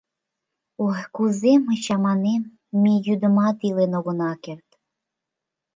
Ой, кузе мый чаманем, ме йӱдымат илен огына керт!